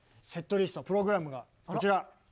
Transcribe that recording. セットリストプログラムがこちら。